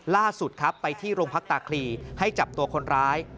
ล่าสุดครับไปที่โรงพักตาคลีให้จับตัวคนร้าย